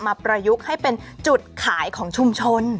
ประยุกต์ให้เป็นจุดขายของชุมชน